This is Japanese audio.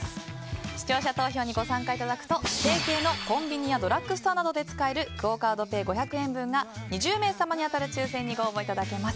視聴者投票にご参加いただくと提携のコンビニやドラッグストアなどで使えるクオ・カードペイ５００円分が２０名様に当たる抽選にご応募いただけます。